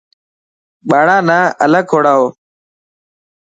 ٻاڙان نا الگ ڪوڙائو.